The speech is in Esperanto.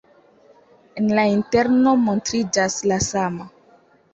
En la interno montriĝas la sama.